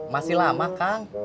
masih lama kang